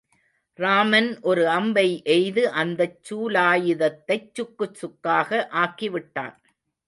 ராமன் ஒரு அம்பை எய்து அந்தச் சூலாயுதத்தைச் சுக்குச் சுக்காக ஆக்கிவிட்டான்.